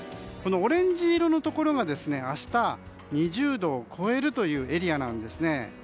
オレンジ色のところが明日、２０度を超えるというエリアなんです。